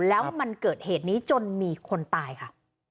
แล้วมันเกิดเหตุนี้จนมีคนตายค่ะ